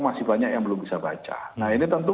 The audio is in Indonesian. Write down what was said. masih banyak yang belum bisa baca nah ini tentu